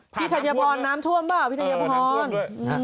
ไม่ได้สับยาวสับสั้น